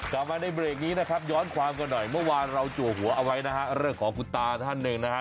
กลับมาในเบรกนี้นะครับย้อนความกันหน่อยเมื่อวานเราจัวหัวเอาไว้นะฮะเรื่องของคุณตาท่านหนึ่งนะฮะ